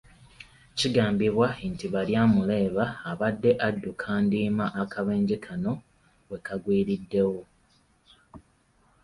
Kigambibwa nti Baryamureeba abadde adduka ndiima akabenje kano we kagwiriddewo.